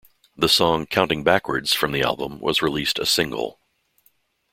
The song "Counting Backwards" from the album was released a single.